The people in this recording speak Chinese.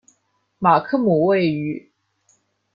马克姆位于。